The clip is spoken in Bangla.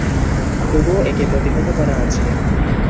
তবুও একে প্রতিহত করা আছে।